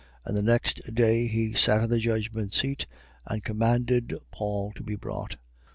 And the next day, he sat in the judgment seat and commanded Paul to be brought.